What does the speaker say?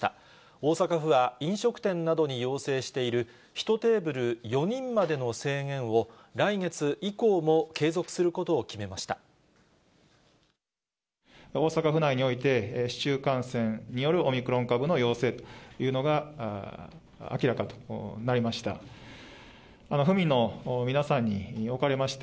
大阪府は、飲食店などに要請している１テーブル４人までの制限を、来月以降大阪府内において、市中感染によるオミクロン株の陽性というのが明らかとなりました。